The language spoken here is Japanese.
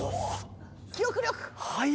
記憶力。